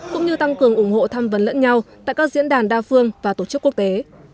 cũng như tăng cường ủng hộ thăm vấn lẫn nhau tại các diễn đàn đa phương và tổ chức quốc tế